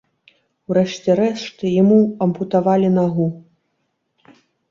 У рэшце рэшт яму ампутавалі нагу.